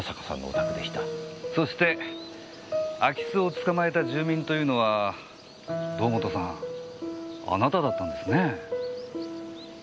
そして空き巣を捕まえた住民というのは堂本さんあなただったんですねぇ？